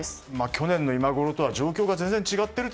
去年の今ごろとは状況が全然違っていると。